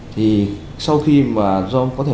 thì sau khi mà do có thể